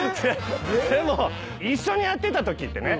でも一緒にやってたときってね